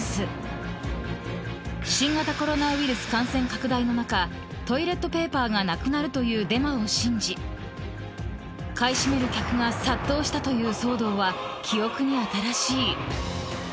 ［新型コロナウイルス感染拡大の中トイレットペーパーがなくなるというデマを信じ買い占める客が殺到したという騒動は記憶に新しい］